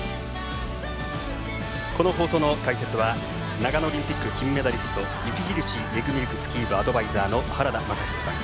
この放送の解説は長野オリンピック金メダリスト雪印メグミルクスキー部アドバイザーの原田雅彦さん。